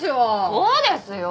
そうですよ！